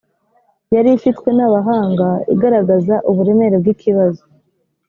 yari ifitwe n’abahanga igaragaza uburemere bw ikibazo